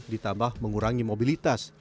ditambah mengurangi mobilitas